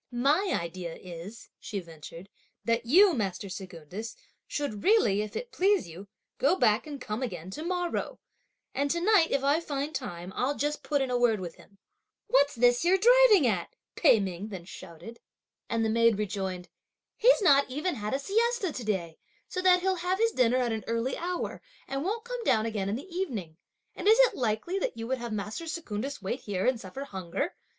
"My idea is," she ventured, "that you, master Secundus, should really, if it so please you, go back, and come again to morrow; and to night, if I find time, I'll just put in a word with him!" "What's this that you're driving at?" Pei Ming then shouted. And the maid rejoined: "He's not even had a siesta to day, so that he'll have his dinner at an early hour, and won't come down again in the evening; and is it likely that you would have master Secundus wait here and suffer hunger?